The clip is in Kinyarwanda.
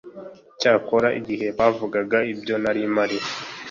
icyakora igihe bavugaga ibyo narimpari.